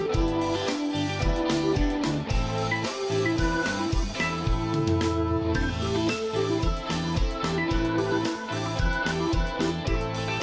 โปรดติดตามตอนต่อไป